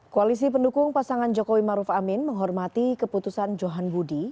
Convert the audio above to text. koalisi pendukung pasangan jokowi maruf amin menghormati keputusan johan budi